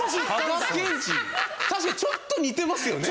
確かにちょっと似てますよね。